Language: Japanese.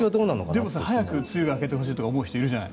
でも、早く梅雨が明けてほしいって人がいるじゃない。